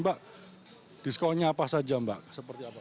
mbak diskonnya apa saja mbak seperti apa